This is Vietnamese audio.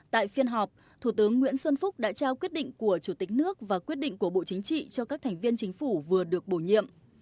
tại phiên họp thủ tướng nguyễn xuân phúc đã trao quyết định của chủ tịch nước và quyết định của bộ chính trị cho các thành viên chính phủ vừa được bổ nhiệm